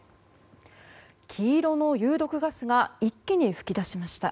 黄色の有毒ガスが一気に噴き出しました。